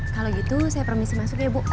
kalau gitu saya permisi masuk ya bu